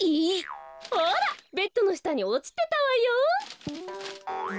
ほらベッドのしたにおちてたわよ。